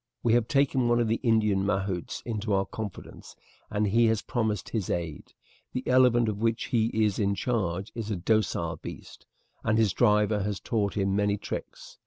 We have taken one of the Indian mahouts into our confidence, and he has promised his aid; the elephant of which he is in charge is a docile beast, and his driver has taught him many tricks.